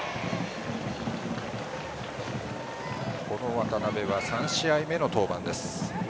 渡邉は３試合目の登板です。